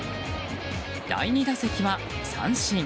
第２打席は三振。